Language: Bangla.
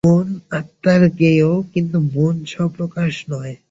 মন আত্মার জ্ঞেয়, কিন্তু মন স্বপ্রকাশ নয়।